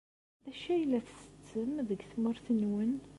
D acu ay tettettem deg tmurt-nwen?